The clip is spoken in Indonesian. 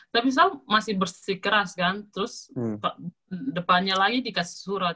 tapi misalnya masih bersih keras kan terus depannya lagi dikasih surat